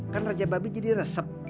kan raja babi jadi resep